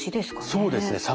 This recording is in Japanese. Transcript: そうですね。